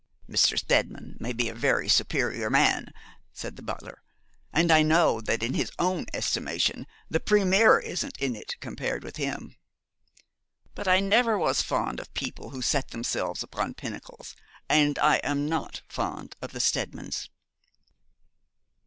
'Mr. Steadman may be a very superior man,' said the butler 'and I know that in his own estimation the Premier isn't in it compared with him; but I never was fond of people who set themselves upon pinnacles, and I'm not fond of the Steadmans.'